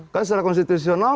karena secara konstitusional